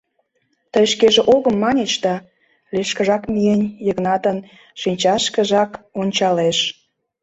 — Тый шкеже «огым» маньыч да... — лишкыжак миен, Йыгнатын шинчашкыжак ончалеш.